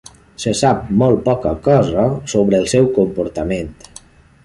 Se sap molt poca cosa sobre el seu comportament.